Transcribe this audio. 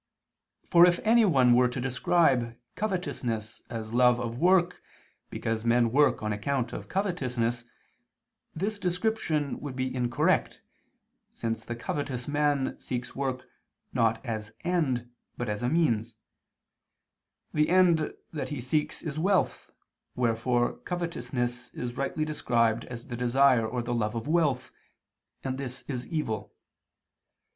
For if anyone were to describe covetousness as love of work because men work on account of covetousness, this description would be incorrect, since the covetous man seeks work not as end but as a means: the end that he seeks is wealth, wherefore covetousness is rightly described as the desire or the love of wealth, and this is evil.